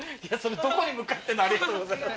どこに向かっての「ありがとうございます」？